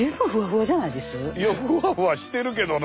いやふわふわしてるけどな見た目も。